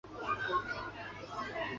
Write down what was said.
后来又历经若尔丹两任顾问。